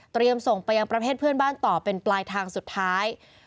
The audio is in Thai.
ส่งไปยังประเทศเพื่อนบ้านต่อเป็นปลายทางสุดท้าย